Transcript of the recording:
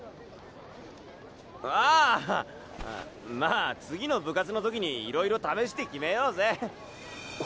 ああまあ次の部活の時にいろいろ試して決めようぜ。